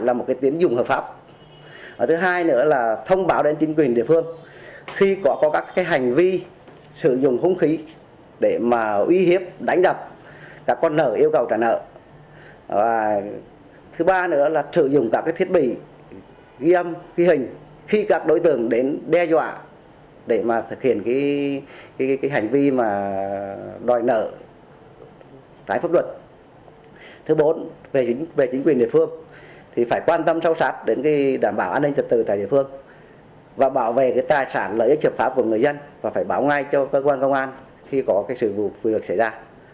và đảm bảo an ninh trật tự tại địa phương và bảo vệ tài sản lợi ích trợ pháp của người dân và phải bảo ngay cho cơ quan công an khi có sự vụ phù hợp xảy ra